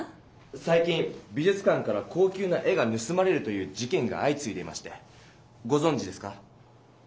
さい近美じゅつ館から高級な絵がぬすまれるという事件があいついでましてごぞんじですか？